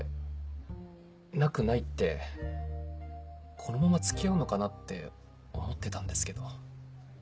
このまま付き合うのかなって思ってたんですけど。